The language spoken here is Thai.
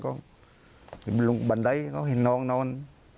ก็เห็นลงบันไดเขาเห็นน้องนอน